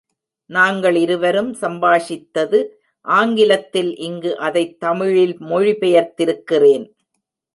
நாங்களிருவரும் சம்பாஷித்தது ஆங்கிலத்தில் இங்கு அதைத் தமிழில் மொழி பெயர்த்திருக்கிறேன்.